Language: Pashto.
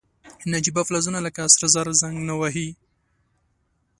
نجیبه فلزونه لکه سره زر زنګ نه وهي.